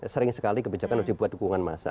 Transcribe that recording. sering sekali kebijakan harus dibuat dukungan massa